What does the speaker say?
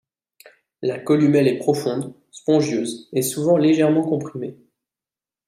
La columelle est profonde, spongieuse, et souvent légèrement comprimée.